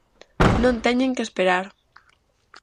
Non teñen que esperar.